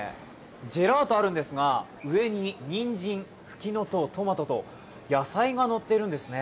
ジェラートがあるんですが、上ににんじん、ふきのとう、トマトと野菜がのっているんですね。